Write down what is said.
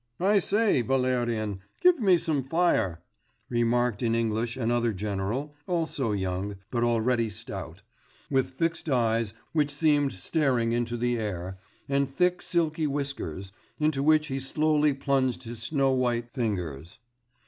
'I say, Valérien, give me some fire,' remarked in English another general, also young, but already stout, with fixed eyes which seemed staring into the air, and thick silky whiskers, into which he slowly plunged his snow white fingers.